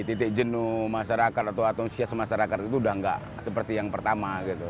titik jenuh masyarakat atau antusias masyarakat itu sudah tidak seperti yang pertama